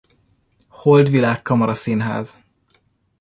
Holdvilág Kamaraszínház